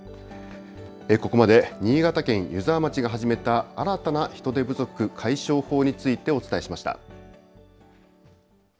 ここまで新潟県湯沢町が始めた新たな人手不足解消法についてお伝えしました。